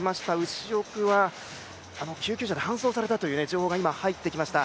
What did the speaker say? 牛奥は救急車で搬送されたという情報が今、入ってきました。